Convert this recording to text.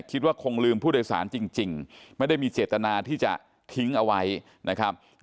คิดว่าคงลืมผู้โดยสารจริงไม่ได้มีเจตนาที่จะทิ้งเอาไว้นะครับ